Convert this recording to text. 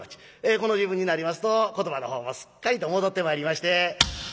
この時分になりますと言葉のほうもすっかりと戻ってまいりまして。